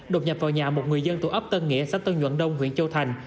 đột nhập vào nhà một người dân thuộc ấp tân nghĩa xã tân nhuận đông huyện châu thành